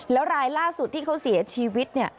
แล้วรายล่าสุดที่เขาเสียชีวิตเนี่ย